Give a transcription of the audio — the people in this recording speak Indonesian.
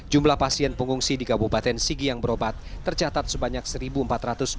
jumlah pasien pengungsi di kabupaten sigi yang berobat tercatat sebanyak satu empat ratus orang